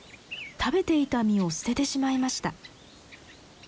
食べていた実を捨ててしまいました。